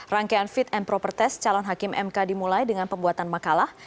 rangkaian fit and proper test calon hakim mk dimulai dengan pembuatan makalah